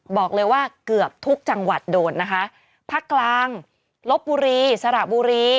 บอกเลยว่าเกือบทุกจังหวัดโดนนะคะภาคกลางลบบุรีสระบุรี